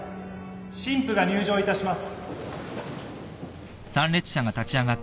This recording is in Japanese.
新婦が入場いたします。